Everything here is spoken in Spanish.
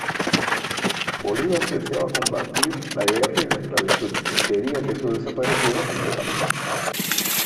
Bolívar deseaba combatir la guerra y la esclavitud, quería que eso desapareciera completamente.